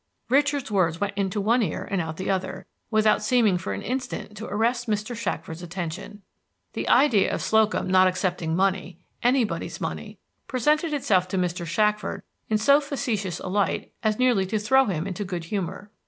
Richard's words went into one ear and out the other, without seeming for an instant to arrest Mr. Shackford's attention. The idea of Slocum not accepting money anybody's money presented itself to Mr. Shackford in so facetious a light as nearly to throw him into good humor.